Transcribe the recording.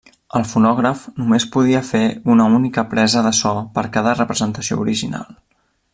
El fonògraf només podia fer una única presa de so per cada representació original.